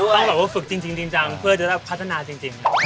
ต้องแบบว่าฝึกจริงจังเพื่อจะได้พัฒนาจริง